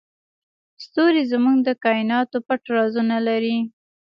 ستوري زموږ د کایناتو پټ رازونه لري.